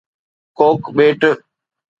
ڪوڪ ڀيٽ